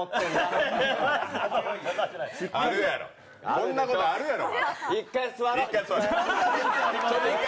こんなことあるやろ。